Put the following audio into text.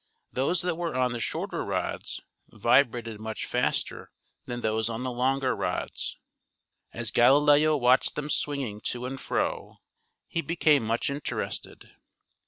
Those that were on the shorter rods vibrated much faster than those on the longer rods. As Galileo watched them swinging to and fro he became much interested.